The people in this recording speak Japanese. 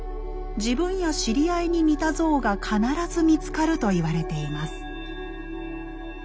自分や知り合いに似た像が必ず見つかると言われています。